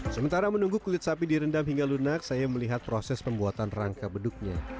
sementara menunggu kulit sapi direndam hingga lunak saya melihat proses pembuatan rangka beduknya